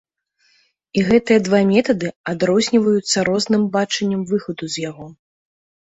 І гэтыя два метады адрозніваюцца розным бачаннем выхаду з яго.